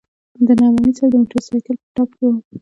د نعماني صاحب د موټرسایکل په ټایپ کې وه.